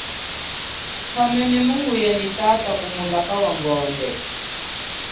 Hamene mungu ya nyi tata ku mulaka wa ngombe.